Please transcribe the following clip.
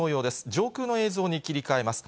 上空の映像に切り替えます。